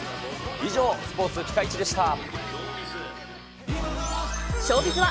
以上、スポーツピカイチでした。